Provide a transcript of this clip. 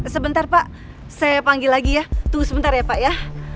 sebentar pak saya panggil lagi ya tunggu sebentar ya pak ya